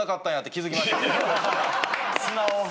気付きました？